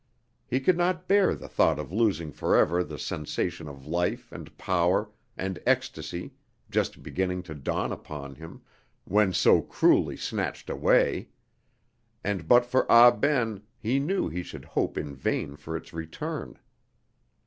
He could not bear the thought of losing forever the sensation of life and power and ecstasy just beginning to dawn upon him, when so cruelly snatched away; and but for Ah Ben he knew he should hope in vain for its return.